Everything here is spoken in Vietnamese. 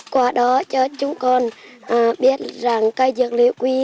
qua đó cho chúng con biết rằng cây dược liệu quý